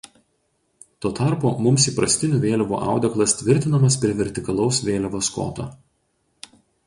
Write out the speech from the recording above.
Tuo tarpu mums įprastinių vėliavų audeklas tvirtinamas prie vertikalaus vėliavos koto.